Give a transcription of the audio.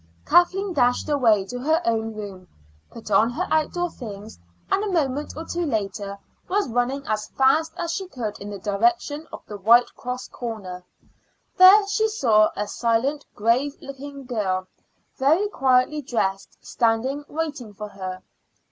Kathleen dashed away to her own room, put on her outdoor things, and a moment or two later was running as fast as she could in the direction of the White Cross Corner. There she saw a silent, grave looking girl, very quietly dressed, standing waiting for her.